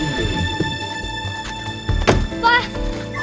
kenapa sih pak